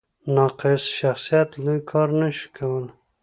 ناقص شخصیت لوی کار نه شي کولی.